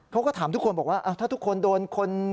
เขาก็ถามทุกคนบอกว่าถ้าทุกคนโดนคน